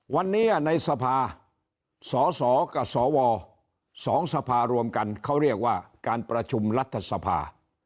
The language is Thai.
วันนี้ในสภาสสกับสว๒สภารวมกันเขาเรียกว่าการประชุมรัฐสภา